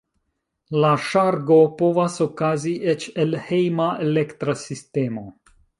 La ŝargo povas okazi eĉ el hejma elektra sistemo.